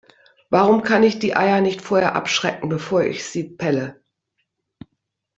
Warum kann ich die Eier nicht vorher abschrecken, bevor ich sie pelle?